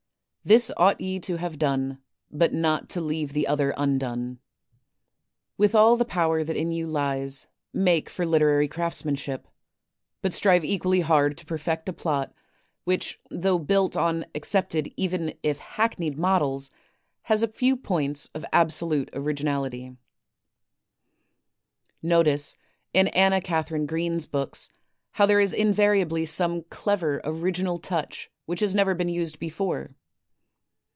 This ought ye to have done, but not to leave the other undone. With all the power that in you lies make for literary crafts manship; but strive equally hard to perfect a plot which though built on accepted even if hackneyed models, has a few points of absolute originality. 3l8 THE TECHNIQUE OF THE MYSTERY STORY Notice in Anna Katharine Green's books how there is invariably some clever original touch which has never been used before.